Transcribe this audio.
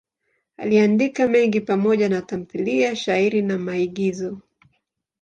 Aliandika mengi pamoja na tamthiliya, shairi na maigizo.